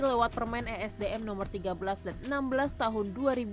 tawar permen esdm no tiga belas dan enam belas tahun dua ribu sembilan belas